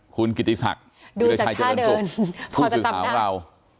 คุณกิติศักดิ์ดูจากท่าเดินสุขพูดสื่อสาวเรา